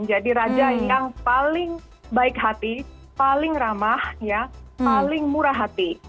jadi raja yang paling baik hati paling ramah paling murah hati